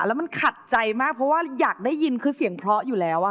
แล้วมันขัดใจมากเพราะว่าอยากได้ยินคือเสียงเพราะอยู่แล้ว